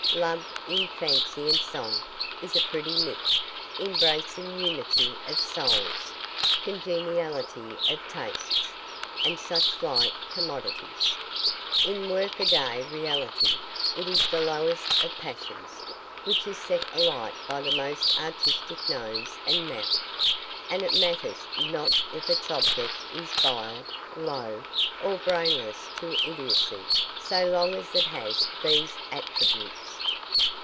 Love in fancy and song is a pretty myth, embracing unity of souls, congeniality of tastes, and such like commodities. In workaday reality it is the lowest of passions, which is set alight by the most artistic nose and mouth, and it matters not if its object is vile, low, or brainless to idiocy, so long as it has these attributes."